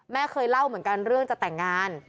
เคยเล่าเหมือนกันเรื่องจะแต่งงาน